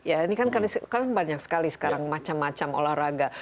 ya ini kan banyak sekali sekarang macam macam olahraga